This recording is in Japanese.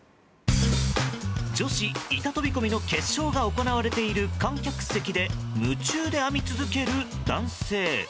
女子板飛込の決勝が行われている観客席で夢中で編み続ける男性。